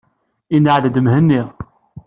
Inɛel-d Mhenni.